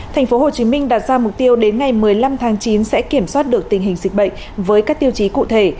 thành phố hồ chí minh đạt ra mục tiêu đến ngày một mươi năm tháng chín sẽ kiểm soát được tình hình dịch bệnh với các tiêu chí cụ thể